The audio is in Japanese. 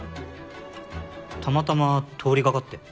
たまたま通りがかって。